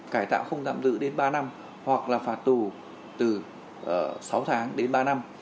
cải tạo không tạm dự đến ba năm hoặc là phạt tù từ sáu tháng đến ba năm